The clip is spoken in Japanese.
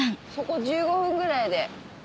１５分ぐらいで。